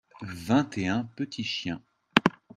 vingt et un petits chiens.